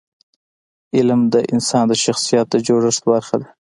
علم د انسان د شخصیت د جوړښت برخه ده.